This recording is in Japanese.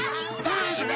ダメ！